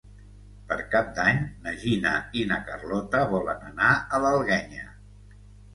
Per Cap d'Any na Gina i na Carlota volen anar a l'Alguenya.